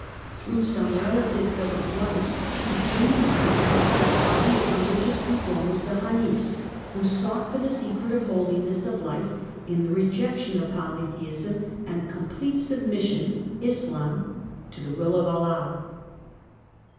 Through some relatives of his wife he came into contact with a body of religious reformers, the " Hanifs," who sought for the secret of holiness of life in the rejection of polytheism and complete submis sion (Islam) to the will of Allah.